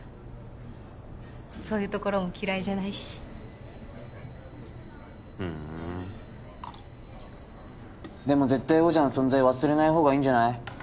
そういうところも嫌いじゃないしふんでも絶対王者の存在忘れない方がいいんじゃない？